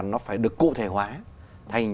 nó phải được cụ thể hóa thành